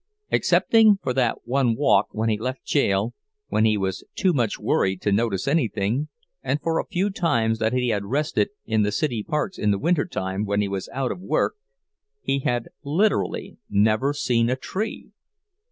Excepting for that one walk when he left jail, when he was too much worried to notice anything, and for a few times that he had rested in the city parks in the winter time when he was out of work, he had literally never seen a tree!